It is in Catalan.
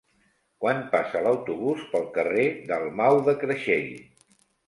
Quan passa l'autobús pel carrer Dalmau de Creixell?